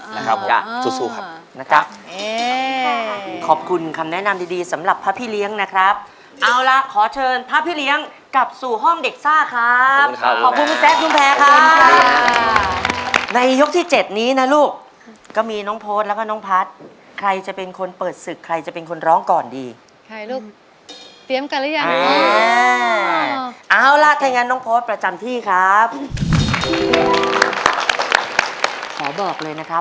นะครับผมสู้ครับนะครับโอ้โหโอ้โหโอ้โหโอ้โหโอ้โหโอ้โหโอ้โหโอ้โหโอ้โหโอ้โหโอ้โหโอ้โหโอ้โหโอ้โหโอ้โหโอ้โหโอ้โหโอ้โหโอ้โหโอ้โหโอ้โหโอ้โหโอ้โหโอ้โหโอ้โหโอ้โหโอ้โหโอ้โหโอ้โหโอ้โหโอ้โหโอ้โหโอ้โหโ